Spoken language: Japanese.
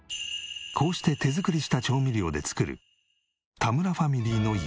こうして手作りした調味料で作る田村ファミリーの夕食。